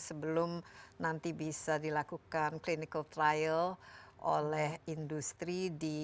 sebelum nanti bisa dilakukan clinical trial oleh industri